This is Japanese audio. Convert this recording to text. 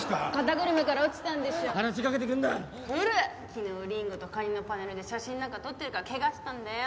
昨日凛吾とカニのパネルで写真なんか撮ってるから怪我したんだよ。